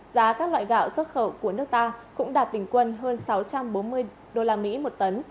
giá các loại gạo xuất khẩu của nước ta cũng đạt bình quân hơn sáu trăm bốn mươi usd một tấn